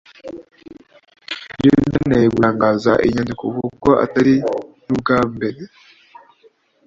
ni byo byanteye gutangaza iyi nyandiko kuko atari n’ubwambere